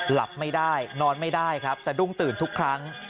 หลับไม่ได้นอนไม่ได้ครับสะดุ้งตื่นทุกครั้ง